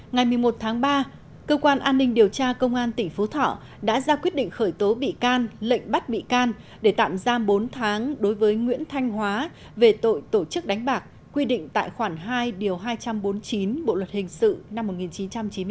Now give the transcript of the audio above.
ngày một mươi một tháng ba cơ quan an ninh điều tra công an tỉnh phú thọ đã ra quyết định khởi tố bị can lệnh bắt bị can để tạm giam bốn tháng đối với nguyễn thanh hóa về tội tổ chức đánh bạc quy định tại khoản hai điều hai trăm bốn mươi chín bộ luật hình sự năm một nghìn chín trăm chín mươi bốn